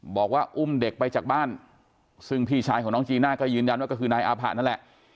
บอกว่าอุ้มเด็กไปจากบ้านซึ่งพี่ชายของน้องจีน่าก็ยืนยันว่าก็คือนายอาผะนั่นแหละ